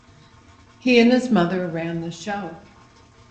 He and his mother ran the show.